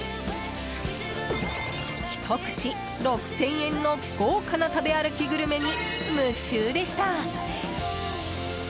１串６０００円の豪華な食べ歩きグルメに夢中でした。